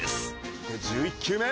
１１球目。